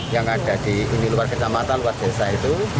yang ada di luar kota mata luar desa itu